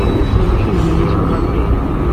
Netta maci d memmi-s n xalti.